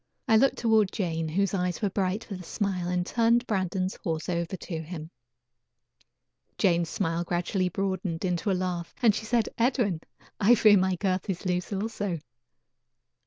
I looked toward Jane, whose eyes were bright with a smile, and turned Brandon's horse over to him. Jane's smile gradually broadened into a laugh, and she said: "Edwin, I fear my girth is loose also."